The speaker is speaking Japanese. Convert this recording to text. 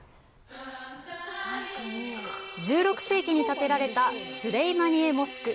１６世紀に建てられたスレイマニエモスク。